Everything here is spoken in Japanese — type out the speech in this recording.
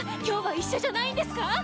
今日は一緒じゃないんですか